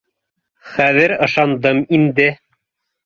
Хәҙер ышандым инде